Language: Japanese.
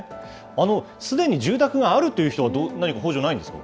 すでに住宅があるという人は、何か補助ないんですか。